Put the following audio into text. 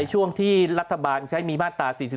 ช่วงที่รัฐบาลใช้มีมาตรา๔๔